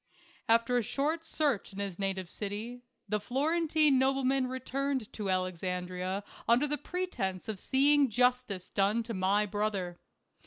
After a short search in his native city, the Florentine nobleman returned to Alexandria under the pretense of seeing justice done to my brother.